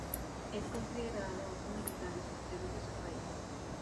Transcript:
Es considerado uno de los grandes porteros de su país.